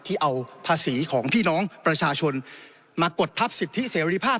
ที่เอาภาษีของพี่น้องประชาชนมากดทับสิทธิเสรีภาพ